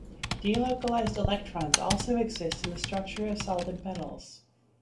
Delocalized electrons also exist in the structure of solid metals.